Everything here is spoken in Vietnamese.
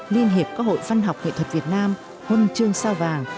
liên hiệp các hội văn học nghệ thuật việt nam hôn trương sao vàng